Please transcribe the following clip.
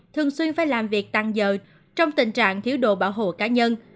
thường xuyên phải làm việc tăng giờ trong tình trạng thiếu đồ bảo hộ cá nhân